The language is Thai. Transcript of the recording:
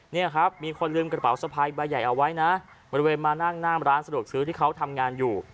นี่ครับมีคนลืมกระเป๋าสะพายใบใหญ่เอาไว้นะบริเวณมานั่งหน้ามร้านสะดวกซื้อที่เขาทำงานอยู่